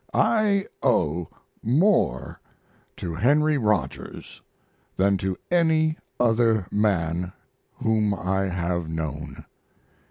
I owe more to Henry Rogers than to any other man whom I have known.